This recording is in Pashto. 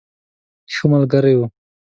ښه ملګری وو.